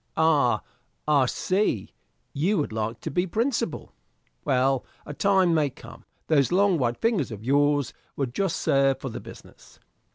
"Ah, I see, you would like to be principal. Well, a time may come those long white fingers of yours would just serve for the business."